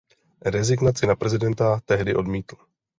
Rezignaci na prezidenta tehdy odmítl.